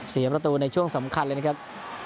เสียประตูในช่วงสำคัญเลยนะครับ